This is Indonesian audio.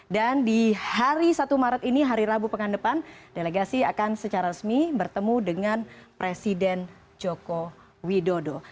dan di hari satu maret ini hari rabu pekan depan delegasi akan secara resmi bertemu dengan presiden joko bidul